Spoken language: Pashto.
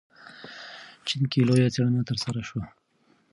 چین کې لویه څېړنه ترسره شوه.